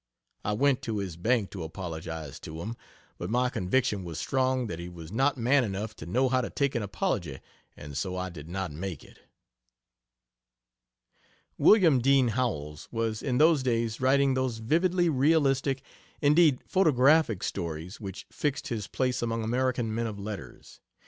I went to his bank to apologize to him, but my conviction was strong that he was not man enough to know how to take an apology and so I did not make it. William Dean Howells was in those days writing those vividly realistic, indeed photographic stories which fixed his place among American men of letters.